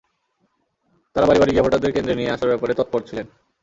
তাঁরা বাড়ি বাড়ি গিয়ে ভোটারদের কেন্দ্রে নিয়ে আসার ব্যাপারে তৎপর ছিলেন।